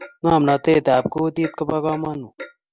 ngomnatet ap kutit kopokamanut